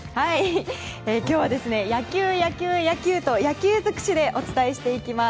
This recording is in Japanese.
今日は野球、野球、野球と野球尽くしでお伝えしていきます。